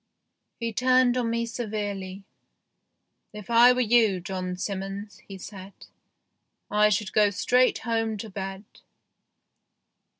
He turned on me severely. " If I were you, John Simmons," he said, " I should go straight home to bed."